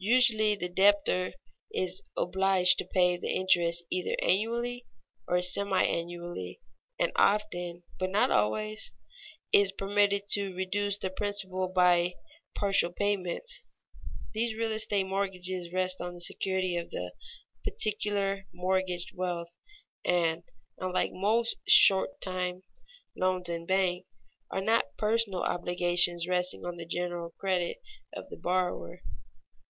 Usually the debtor is obliged to pay the interest either annually or semi annually, and often, but not always, is permitted to reduce the principal by partial payments. These real estate mortgages rest on the security of the particular mortgaged wealth, and, unlike most short time loans in bank, are not personal obligations resting on the general credit of the borrower.